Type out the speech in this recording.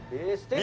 え